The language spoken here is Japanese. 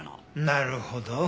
なるほど。